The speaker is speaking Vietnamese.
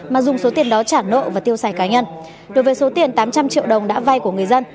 mà dùng số tiền đó trả nợ và tiêu xài cá nhân đối với số tiền tám trăm linh triệu đồng đã vay của người dân